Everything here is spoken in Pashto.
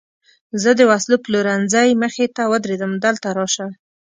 زه د وسلو پلورنځۍ مخې ته ودرېدم، دلته راشه.